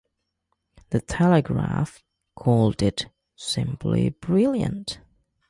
"The Telegraph" called it "simply brilliant".